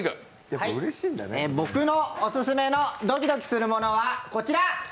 僕のオススメのドキドキするものはこちら。